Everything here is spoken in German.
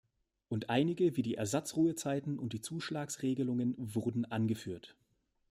Und einige wie die Ersatzruhezeiten und die Zuschlagsregelungen wurden angeführt.